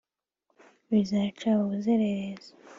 bizaca ubuzererezi